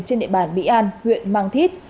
trên địa bàn mỹ an huyện mang thít